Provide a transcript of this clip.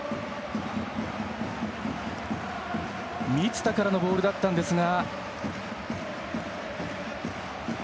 満田からのボールだったんですが。